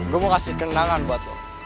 gue mau kasih kenangan buat lo